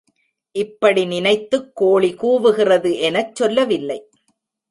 இப்படி நினைத்துக் கோழி கூவுகிறது எனச் சொல்லவில்லை.